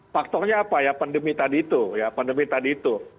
faktornya apa ya pandemi tadi itu